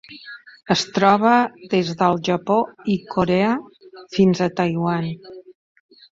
Es troba des del Japó i Corea fins a Taiwan.